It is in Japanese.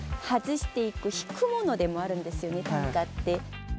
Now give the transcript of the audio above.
外していく引くものでもあるんですよね短歌って。